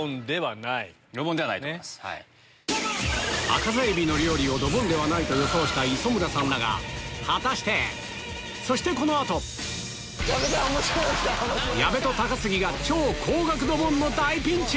アカザエビの料理をドボンではないと予想した磯村さんだが果たして⁉そしてこの後超高額ドボンの大ピンチ！